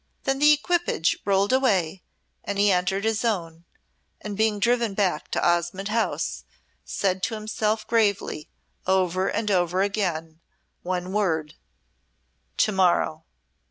Then the equipage rolled away and he entered his own, and being driven back to Osmonde House said to himself gravely, over and over again, one word "To morrow!"